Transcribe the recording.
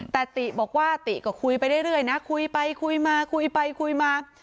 แต่ติบอกว่าติก็คุยไปเรื่อยนะคุยไปคุยมาคุยไปคุยมา